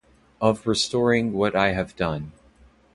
Of restoring what I have done.